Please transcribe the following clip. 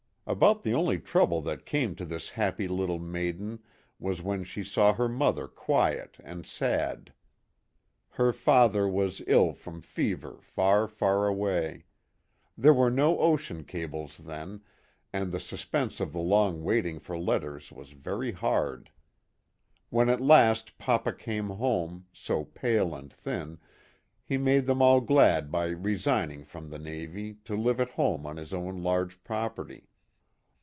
About the only trouble that came to this happy little maiden was when she saw her mother quiet and sad. Her father was ill from "MISSMILLY." 107 fever far, far away ; there were no ocean cables then, and the suspense of the long waiting for letters was very hard. When at last papa came home, so pale and thin, he made them all glad by resigning from the navy to live at home on his own large property.